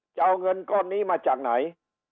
จะเอาเงินก้อนนี้มาจากไหน